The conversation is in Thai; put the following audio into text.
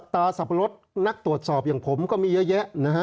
สับปะรดนักตรวจสอบอย่างผมก็มีเยอะแยะนะฮะ